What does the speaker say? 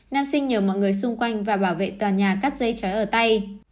nam sinh nhờ mọi người xung quanh và bảo vệ tòa nhà cắt dây chói ở tay